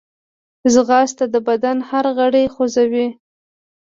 ځغاسته د بدن هر غړی خوځوي